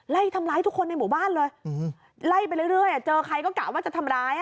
ไล่ทำร้ายทุกคนในหมู่บ้านเลยไล่ไปเรื่อยเจอใครก็กะว่าจะทำร้าย